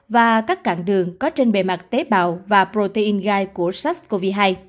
và các cạn đường có trên bề mặt tế bào và protein gai của sars cov hai